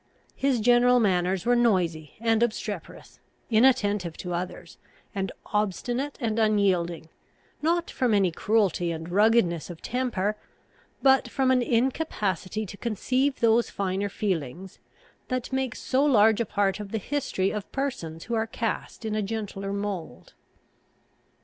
His general manners were noisy and obstreperous; inattentive to others; and obstinate and unyielding, not from any cruelty and ruggedness of temper, but from an incapacity to conceive those finer feelings, that make so large a part of the history of persons who are cast in a gentler mould.